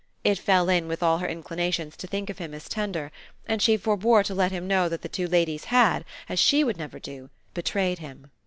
It fell in with all her inclinations to think of him as tender, and she forbore to let him know that the two ladies had, as SHE would never do, betrayed him.